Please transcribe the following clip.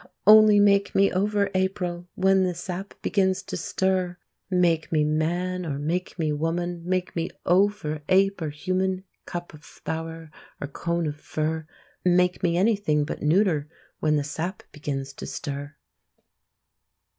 Only make me over, April, When the sap begins to stir! Make me man or make me woman, Make me oaf or ape or human, Cup of flower or cone of fir; Make me anything but neuter When the sap begins to stir!